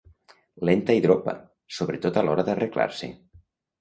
Lenta i dropa, sobretot a l'hora d'arreglar-se.